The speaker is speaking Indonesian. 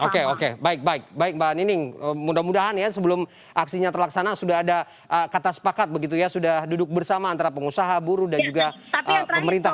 oke oke baik baik baik mbak nining mudah mudahan ya sebelum aksinya terlaksana sudah ada kata sepakat begitu ya sudah duduk bersama antara pengusaha buruh dan juga pemerintah